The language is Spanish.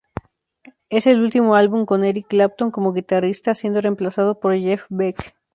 Es el último álbum con Eric Clapton como guitarrista, siendo reemplazado por Jeff Beck.